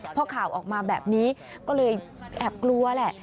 พอข่าวออกมาแบบนี้ก็เลยแอบกลัวแหละ